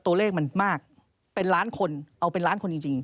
ตัวเลขมันมากเป็นล้านคนเอาเป็นล้านคนจริง